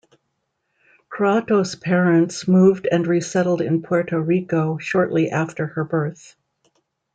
Croatto's parents moved and resettled in Puerto Rico shortly after her birth.